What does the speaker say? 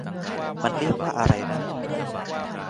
มันเรียกว่าอะไรนะ ?